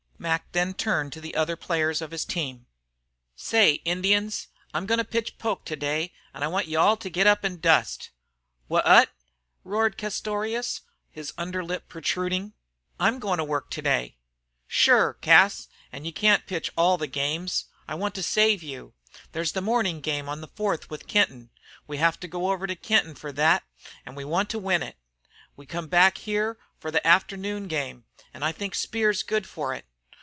Mac then turned to the others of his team. "Say, Indians, I'm goin' to pitch Poke today, an' I want you all to get up an' dust." "Wha at?" roared Castorious, with his under lip protruding. "I'm going to work today." "Shure, Cas, you can't pitch all the 'games. I want to save you. There's the mornin' game on the Fourth with Kenton. We have to go over to Kenton for thet, an' we want to win it. We come back here for the afternoon game, an' I think Speer's good for it.